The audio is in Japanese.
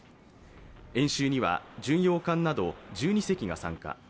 演習には巡洋艦など１２隻が参加。